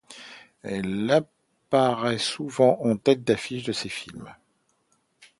Elle apparaît souvent en tête d'affiche de ces films.